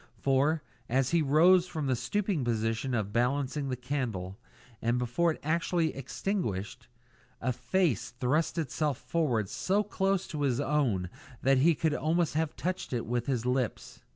For, as he rose from the stooping position of balancing the candle, and before it was actually extinguished, a face thrust itself forward so close to his own that he could almost have touched it with his lips.